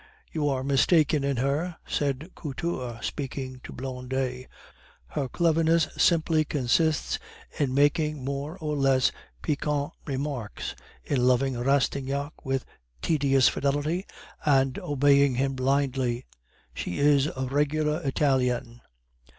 "You are mistaken in her," said Couture, speaking to Blondet; "her cleverness simply consists in making more or less piquant remarks, in loving Rastignac with tedious fidelity, and obeying him blindly. She is a regular Italian."